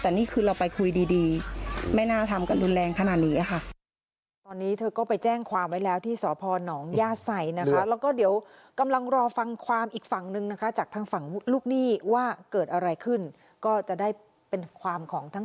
แต่นี่คือเราไปคุยดีไม่น่าทำกันรุนแรงขนาดนี้ค่ะ